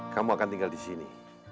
kamu akan tinggal di sini